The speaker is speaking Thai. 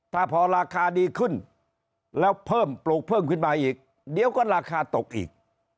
ถ้าพอราคาดีขึ้นแล้วเพิ่มปลูกเพิ่มขึ้นมาอีกเดี๋ยวก็ราคาตกอีก